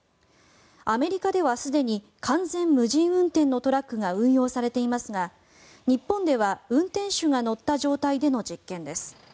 アメリカではすでに完全無人運転のトラックが運用されていますが日本では運転手が乗った状態での実験です。